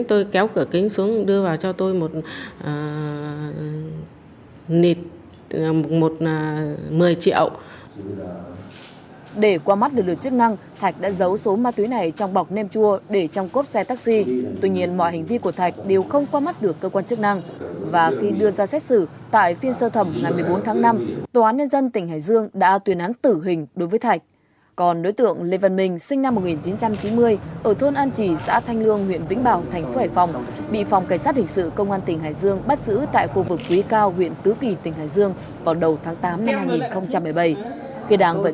tôi kéo cửa kính xuống đưa vào cho tôi